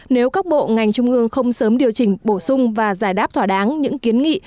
nếu các bộ ngành trung ương không sớm điều chỉnh bổ sung và giải đáp thỏa đáng những kiến nghị